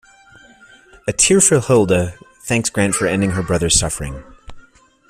A tearful Hilde thanks Grant for ending her brother's suffering.